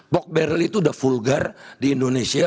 pork barrel itu udah vulgar di indonesia